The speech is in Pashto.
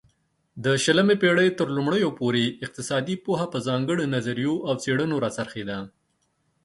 د شلمې پيړۍ ترلومړيو پورې اقتصادي پوهه په ځانگړيو نظريو او څيړنو را څرخيده